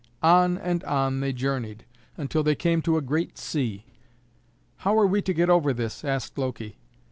On and on they journeyed until they came to a great sea. "How are we to get over this?" asked Loki.